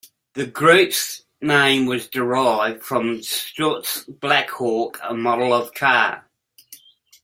The group's name was derived from the Stutz Blackhawk, a model of car.